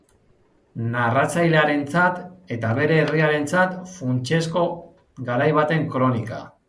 Narratzailearentzat eta bere herriarentzat funtsezko garai baten kronika.